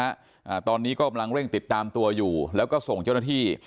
อ่าตอนนี้ก็กำลังเร่งติดตามตัวอยู่แล้วก็ส่งเจ้าหน้าที่